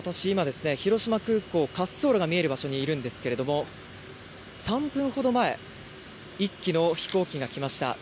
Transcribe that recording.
私、今広島空港、滑走路が見える場所にいるんですけれども３分ほど前、１機の飛行機が来ました。